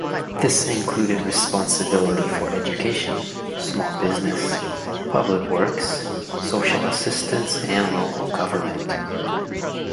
This included responsibility for education, small business, public works, social assistance and local government.